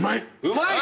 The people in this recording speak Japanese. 「うまい！」